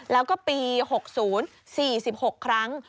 แล้วก็ปี๖๐๔๖ครั้ง